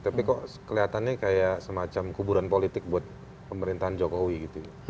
tapi kok kelihatannya kayak semacam kuburan politik buat pemerintahan jokowi gitu